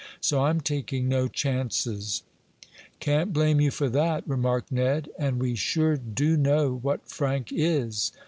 So I'm taking no chances." "Can't blame you for that," remarked Ned. "And we sure do know what Frank is!"